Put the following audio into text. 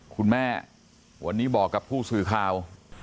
คุณแม่วันนี้บอกกับผู้สื่อข่าว